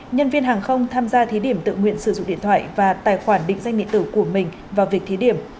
nhân viên hàng không tham gia thí điểm tự nguyện sử dụng điện thoại và tài khoản định danh địa tử của mình vào việc thí điểm